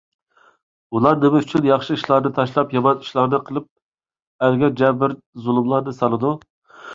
ئۇلار نېمە ئۈچۈن ياخشى ئىشلارنى تاشلاپ، يامان ئىشلارنى قىلىپ، ئەلگە جەبىر - زۇلۇملارنى سالىدۇ؟